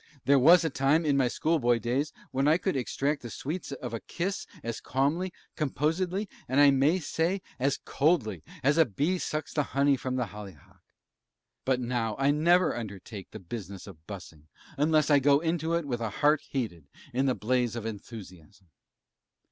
There was a time, in my schoolboy days, when I could extract the sweets of a kiss as calmly, composedly, and I may say as coldly as a bee sucks the honey from a hollyhock; but now I never undertake the business of bussing unless I go into it with a heart heated in the blaze of enthusiasm.